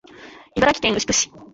茨城県牛久市